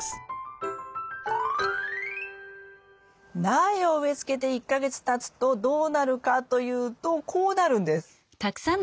苗を植え付けて１か月たつとどうなるかというとこうなるんです。